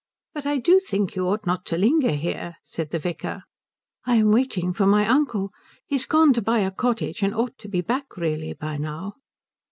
"But I do think you ought not to linger here," said the vicar. "I am waiting for my uncle. He's gone to buy a cottage, and ought to be back, really, by now."